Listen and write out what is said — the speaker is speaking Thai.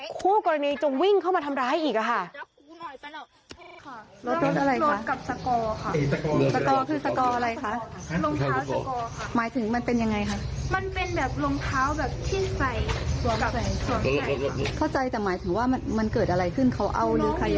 คู่กรณีจะวิ่งเข้ามาทำร้ายอีกค่ะ